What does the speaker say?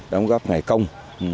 đóng góp ngày công